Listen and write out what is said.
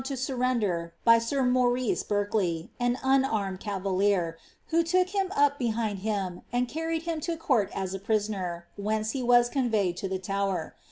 to enrrender .by air Jbnrif^ Berk ley, an unarmed cavalier, who took him. op bciiiDd hu|i,;and earned hia to court 88 priaoner, whence he waa convRjed to the Tower.